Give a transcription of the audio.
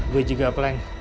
gue juga pelan